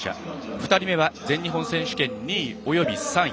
２人目は全日本選手権２位および３位。